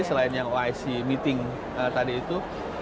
selain yang wic meeting tadi itu